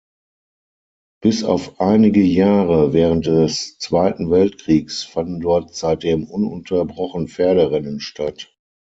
Bis auf einige Jahre während des Zweiten Weltkriegs fanden dort seitdem ununterbrochen Pferderennen statt.